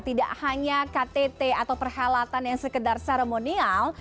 tidak hanya ktt atau perhelatan yang sekedar seremonial